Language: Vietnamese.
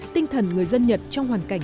tinh thần người dân nhật trong hoàn cảnh